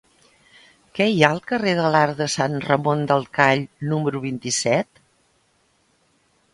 Què hi ha al carrer de l'Arc de Sant Ramon del Call número vint-i-set?